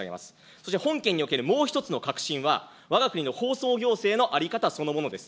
そして本件におけるもう一つの核心は、わが国の放送行政の在り方そのものです。